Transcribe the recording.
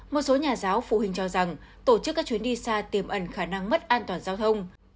một số nhà giáo phụ huynh cho rằng tổ chức các chuyến đi xa tiềm ẩn khả năng mất an toàn giao thông